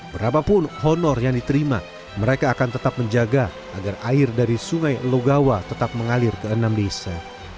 berapapun honor yang diterima mereka akan tetap menjaga agar air dari sungai logawa tetap mengalir ke enam desa